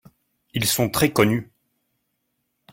Ils sont très connus.